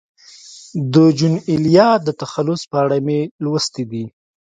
د جون ایلیا د تخلص په اړه مې لوستي دي.